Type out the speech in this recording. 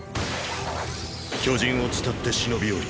巨人を伝って忍び寄り。